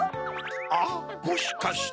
あっもしかして。